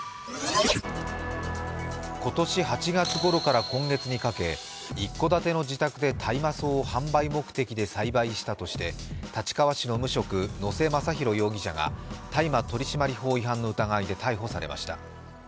今年８月ごろから今月にかけ、一戸建ての自宅で大麻草を販売目的で栽培したとして立川市の無職、野瀬雅大容疑者が大麻取締法違反の疑いで逮捕されました。